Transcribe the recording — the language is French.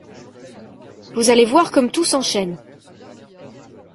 Vous allez voir comme tout s’enchaîne !